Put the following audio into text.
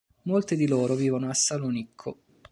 Molti di loro vivono a Salonicco.